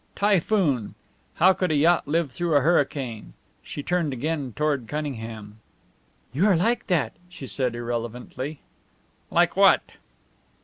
Typhoon! How could a yacht live through a hurricane? She turned again toward Cunningham. "You are like that," she said, irrelevantly. "Like what?"